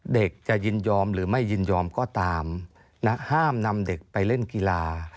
เด็กจะยินยอมหรือไม่ยินยอมก็ตามห้ามนำเด็กไปเล่นกีฬา